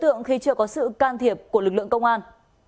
đối tượng khi chưa có sự can thiệp của lực lượng công an